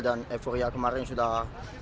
dan eforia sudah berhasil menang